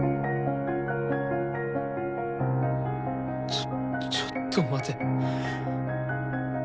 ちょちょっと待て。